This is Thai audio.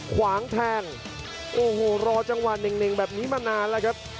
ขวางแทงโอ้โหรอจังหวะเน่งแบบนี้มานานแล้วครับ